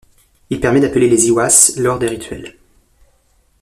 Il permet d'appeler les lwas lors des rituels.